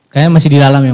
kayaknya masih di dalam ya